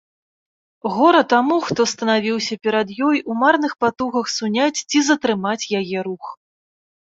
Гора таму, хто станавіўся перад ёй у марных патугах суняць ці затрымаць яе рух!